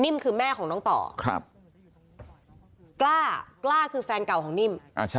คือแม่ของน้องต่อกล้ากล้าคือแฟนเก่าของนิ่ม